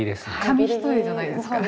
紙一重じゃないですか？